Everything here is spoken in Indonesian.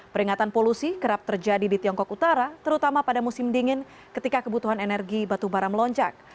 peringatan polusi kerap terjadi di tiongkok utara terutama pada musim dingin ketika kebutuhan energi batu bara melonjak